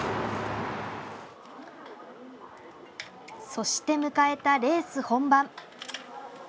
そして迎えたレース本番。